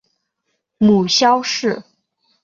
母萧氏。